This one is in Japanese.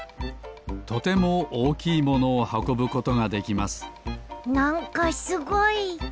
とてもおおきいものをはこぶことができますなんかすごい！